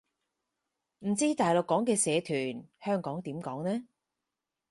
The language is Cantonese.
唔知大陸講嘅社團，香港點講呢